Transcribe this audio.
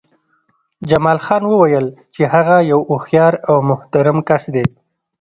جمال خان وویل چې هغه یو هوښیار او محترم کس دی